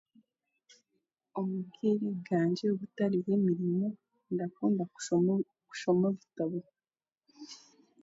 Omu bwire bwangye obutari bw'emirimu ndakunda kushoma ebitabo